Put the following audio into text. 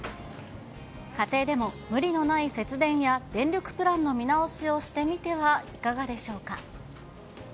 家庭でも無理のない節電や電力プランの見直しをしてみてはいかがでしょうか。